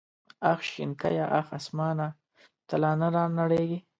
اخ شنکيه اخ اسمانه ته لا نه رانړېږې.